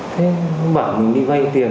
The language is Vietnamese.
thế nó bảo mình đi vay tiền